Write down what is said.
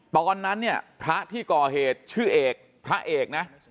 ตอนนั้นเนี่ยพระที่ก่อเหตุชื่อเอกพระเอกนะ